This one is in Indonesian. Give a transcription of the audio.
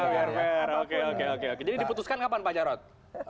jadi diputuskan kapan pak jarod